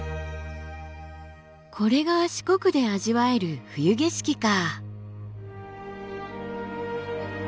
これが四国で味わえる冬景色か。